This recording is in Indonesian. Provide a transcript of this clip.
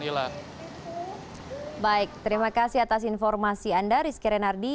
baik terima kasih atas informasi anda rizky renardi